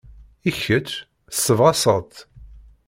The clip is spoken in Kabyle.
I kecc, tessebɣaseḍ-t?